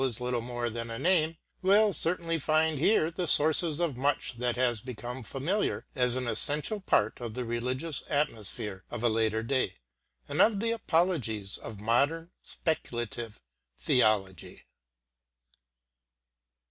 XIV) is little more than a name, will certainly find here the sources of much that has become familiar as an essential part of the religious atmosphere of a later day, and of the apologies of modern speculative theology.